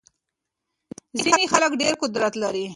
ځينې خلګ ډېر قدرت لري.